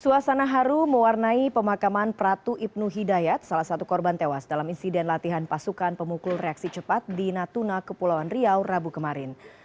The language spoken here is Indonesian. suasana haru mewarnai pemakaman pratu ibnu hidayat salah satu korban tewas dalam insiden latihan pasukan pemukul reaksi cepat di natuna kepulauan riau rabu kemarin